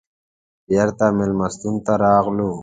بېرته مېلمستون ته راغلو.